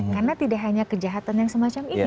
karena tidak hanya kejahatan yang semacam ini